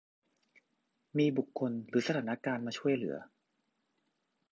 มีบุคคลหรือสถานการณ์มาช่วยเหลือ